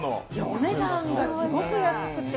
お値段がすごく安くて。